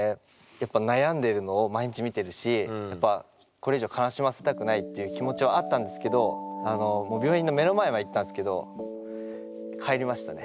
やっぱ悩んでるのを毎日見てるしやっぱっていう気持ちはあったんですけどもう病院の目の前まで行ったんですけど帰りましたね。